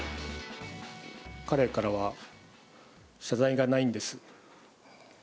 彼からは謝罪がないんです。